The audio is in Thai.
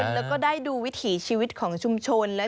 แล้วก็ได้ดูวิถีชีวิตของชุมชน